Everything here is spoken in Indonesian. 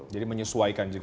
jadi menyesuaikan juga